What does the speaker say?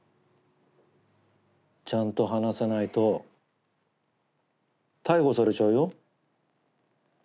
ちゃんと話さないと逮捕されちゃうよ。